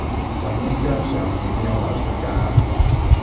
噉呢張相點樣流出㗎？